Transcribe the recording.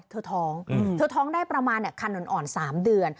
ท้องเธอท้องได้ประมาณคันอ่อน๓เดือน